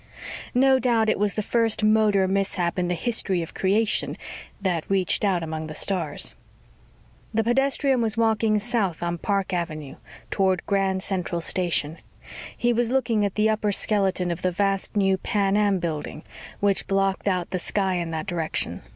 No doubt it was the first motor mishap in the history of creation that reached out among the stars. The pedestrian was walking south on Park Avenue, toward Grand Central Station. He was looking at the upper skeleton of the vast new Pan Am Building which blocked out the sky in that direction.